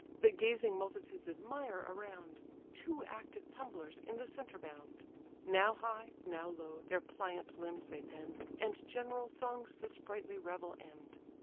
The gazing multitudes admire around: Two active tumblers in the centre bound; Now high, now low, their pliant limbs they bend: And general songs the sprightly revel end.